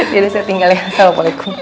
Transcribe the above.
jadi saya tinggal ya assalamualaikum